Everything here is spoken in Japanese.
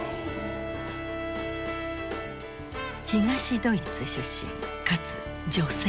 東ドイツ出身かつ女性。